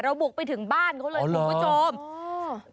บุกไปถึงบ้านเขาเลยคุณผู้ชม